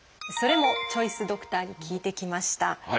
それもチョイスドクターに聞いてきました。